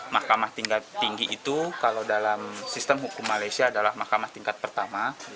mahkamah tingkat tinggi itu kalau dalam sistem hukum malaysia adalah mahkamah tingkat pertama